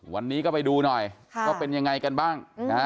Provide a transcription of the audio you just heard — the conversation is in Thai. วันนี้ก็ไปดูหน่อยก็เป็นอย่างไรกันบ้าง